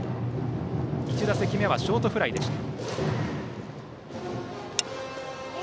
１打席目はショートフライでした。